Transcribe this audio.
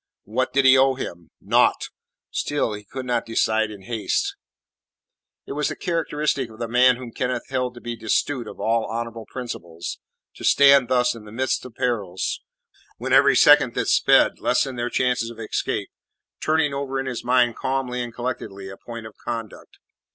What did he owe him? Naught! Still, he would not decide in haste. It was characteristic of the man whom Kenneth held to be destitute of all honourable principles, to stand thus in the midst of perils, when every second that sped lessened their chances of escape, turning over in his mind calmly and collectedly a point of conduct.